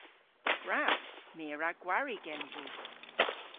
Gwrav! My a wra gwari gensi.